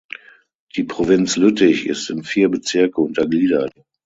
Die Provinz Lüttich ist in vier Bezirke untergliedert.